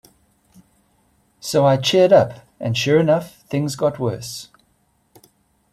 So I cheered up and, sure enough, things got worse.